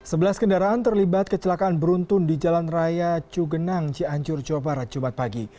sebelas kendaraan terlibat kecelakaan beruntun di jalan raya cugenang cianjur jawa barat jumat pagi